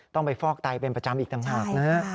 ต้องไปฟอกไตเป็นประจำอีกต่างหากนะฮะ